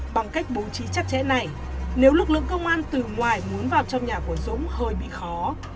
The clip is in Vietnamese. bằng cách bố trí chặt chẽ này nếu lực lượng công an từ ngoài muốn vào trong nhà của dũng hơi bị khó